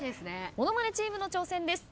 ものまねチームの挑戦です。